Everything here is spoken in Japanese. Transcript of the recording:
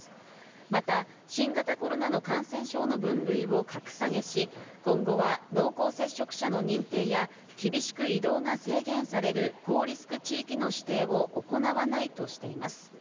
また新型コロナの感染症の分類を格下げし、今後は濃厚接触者の認定や、厳しく移動が制限される高リスク地域の指定を行わないとしています。